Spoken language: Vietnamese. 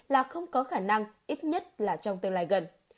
là không có khả năng ít nhất là trong tương lai gần